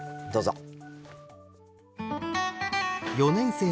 どうぞ。